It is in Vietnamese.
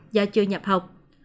do chưa nhập học